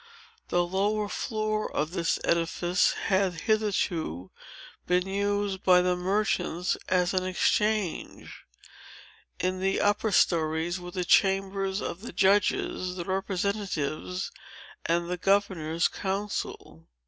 The lower floor of this edifice had hitherto been used by the merchants as an exchange. In the upper stories were the chambers of the judges, the representatives, and the governor's council.